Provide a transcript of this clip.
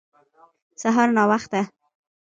سهار ناوخته